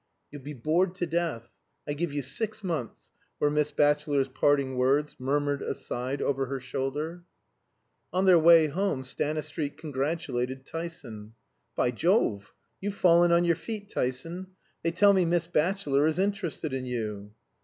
"You'll be bored to death I give you six months," were Miss Batchelor's parting words, murmured aside over her shoulder. On their way home Stanistreet congratulated Tyson. "By Jove! you've fallen on your feet, Tyson. They tell me Miss Batchelor is interested in you."